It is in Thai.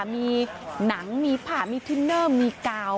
มีหนังมีผ้ามีทินเนอร์มีกาว